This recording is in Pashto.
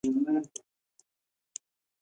د زړه عضله په ظاهره نه ستړی کېدونکې ښکاري.